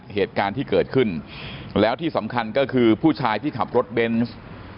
เหตุการณ์ที่เกิดขึ้นแล้วที่สำคัญก็คือผู้ชายที่ขับรถเบนส์